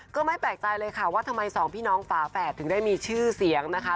ก็ไม่แปลกใจเลยค่ะว่าทำไมสองพี่น้องฝาแฝดถึงได้มีชื่อเสียงนะคะ